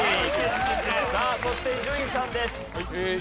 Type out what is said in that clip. さあそして伊集院さんです。